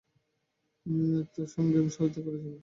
তিনি উক্ত সংঘের সভাপতিত্বও করেছিলেন।